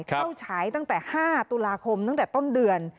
ฉายตั้งแต่๕ตุลาคมตั้งแต่ต้นเดือน